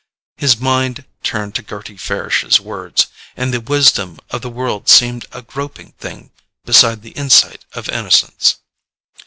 His mind turned to Gerty Farish's words, and the wisdom of the world seemed a groping thing beside the insight of innocence.